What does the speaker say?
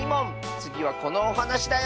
つぎはこのおはなしだよ！